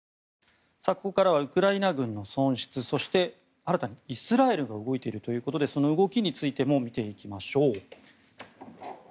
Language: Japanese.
ここからはウクライナ軍の損失そして新たにイスラエルが動いているということでその動きについても見ていきましょう。